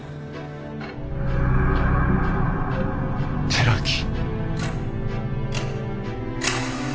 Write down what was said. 寺木。